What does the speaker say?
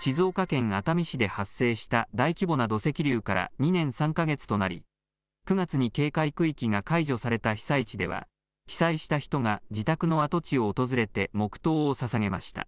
静岡県熱海市で発生した大規模な土石流から２年３か月となり９月に警戒区域が解除された被災地では被災した人が自宅の跡地を訪れて黙とうをささげました。